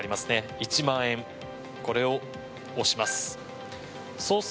１万円、これを押します。